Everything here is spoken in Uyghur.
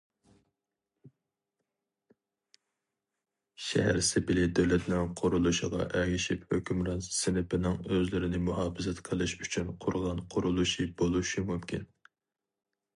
شەھەر سېپىلى دۆلەتنىڭ قۇرۇلۇشىغا ئەگىشىپ ھۆكۈمران سىنىپنىڭ ئۆزلىرىنى مۇھاپىزەت قىلىش ئۈچۈن قۇرغان قۇرۇلۇشى بولۇشى مۇمكىن.